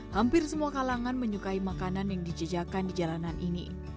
hampir semua kalangan menyukai makanan yang dijejakan di jalanan ini